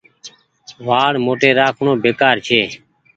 وآڙ موٽي رآکڻو بيڪآر ڇي ۔